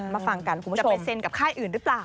มาฟังกันคุณผู้ชมจะไปเซ็นกับค่ายอื่นหรือเปล่า